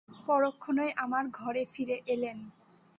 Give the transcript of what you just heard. পরক্ষণেই আমার ঘরে ফিরে এলেন।